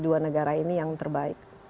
dua negara ini yang terbaik